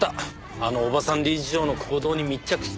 あのおばさん理事長の行動に密着して。